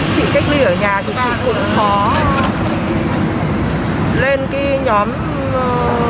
chị cách ly ở nhà thì chị cũng khó lên nhóm thương cư